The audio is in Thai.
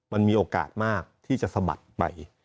มันมีโอกาสมากที่จะสะบัดไป